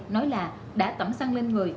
nói là đã tẩm xăng lên người